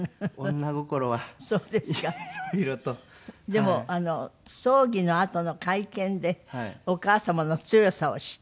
でも葬儀のあとの会見でお母様の強さを知った。